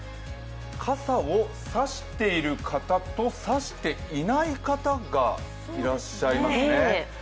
傘を差している方と差していない方がいらっしゃいますね。